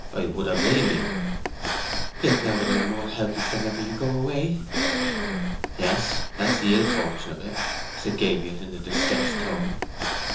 "I would have willingly." "Yet now that I am more helpless than ever you go away!" "Yes, that's the ill fortune o' it," said Gabriel, in a distressed tone.